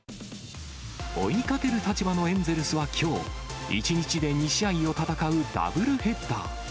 追いかける立場のエンゼルスはきょう、１日で２試合を戦うダブルヘッダー。